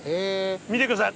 見てください。